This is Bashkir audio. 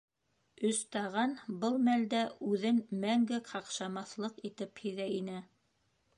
«Өс таған» был мәлдә үҙен мәңге ҡаҡшамаҫ-лыҡ итеп һиҙә ине.